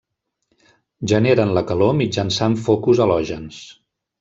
Generen la calor mitjançant focus halògens.